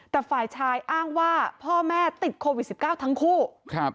แต่ฝ่ายชายอ้างว่าพ่อแม่ติดโควิด๑๙ทั้งคู่